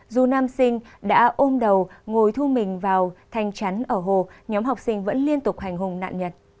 dù nam sinh đã ôm đầu ngồi thu mình vào thanh chắn ở hồ nhóm học sinh vẫn liên tục hành hùng nạn nhân